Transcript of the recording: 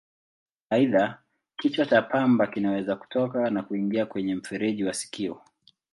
Aidha, kichwa cha pamba kinaweza kutoka na kuingia kwenye mfereji wa sikio.